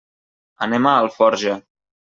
Anem a Alforja.